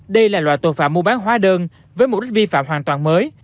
đây là loại tội phạm mua bán hóa đơn với mục đích vi phạm hoàn toàn mới